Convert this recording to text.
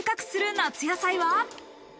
夏野菜は。